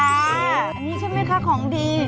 อันนี้ใช่ไหมคะของดี